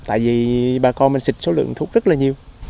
tại vì bà con mình xịt số lượng thuốc rất là nhiều